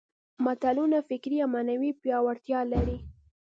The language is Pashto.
متلونه فکري او معنوي پياوړتیا لري